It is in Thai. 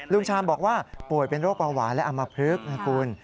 ชามบอกว่าป่วยเป็นโรคเบาหวานและอำมพลึกนะคุณ